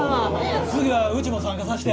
次はうちも参加さしてや！